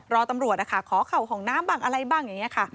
รอตำรวจนะคะขอเข่าห้องน้ำบ้างอะไรบ้างอย่างนี้ค่ะ